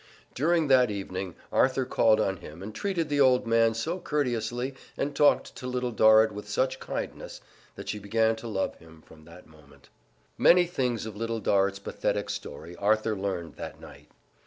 During that evening Arthur called on him and treated the old man so courteously and talked to Little Dorrit with such kindness that she began to love him from that moment. Many things of Little Dorrit's pathetic story Arthur learned that night.